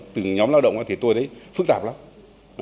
từng nhóm lao động thì tôi thấy phức tạp lắm